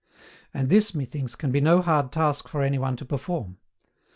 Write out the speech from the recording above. And this, methinks, can be no hard task for anyone to perform.